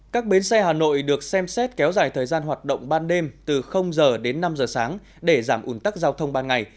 các bến xe hà nội được xem xét kéo dài thời gian hoạt động ban đêm từ giờ đến năm giờ sáng để giảm ủn tắc giao thông ban ngày